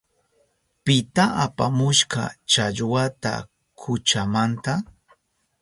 ¿Pita apamushka challwata kuchamanta?